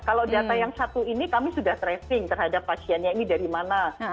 kalau data yang satu ini kami sudah tracing terhadap pasiennya ini dari mana